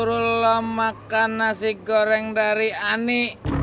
kalau itu nasi goreng dari ani